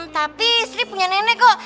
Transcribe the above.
tapi istri punya nenek kok